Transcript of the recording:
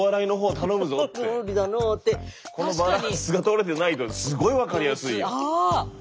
このバランスが取れてないとすごい分かりやすい。